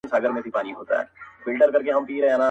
خداى وركړي عجايب وه صورتونه.!